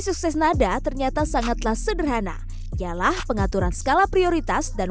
sukses nada ternyata sangatlah sederhana ialah pengaturan skala prioritas dan